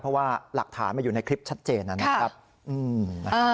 เพราะว่าหลักฐานมันอยู่ในคลิปชัดเจนนะครับ